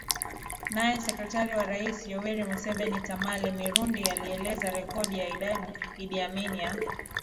Naye sekretari wa rais Yoweri Museveni Tamale Mirundi alielezea rekodi ya Idi Amin ya